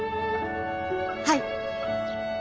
はい。